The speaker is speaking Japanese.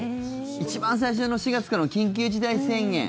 一番最初の４月からの緊急事態宣言。